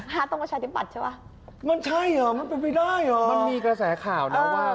ตรงประชาธิบัติใช่ป่ะมันใช่เหรอมันเป็นไปได้เหรอมันมีกระแสข่าวนะว่า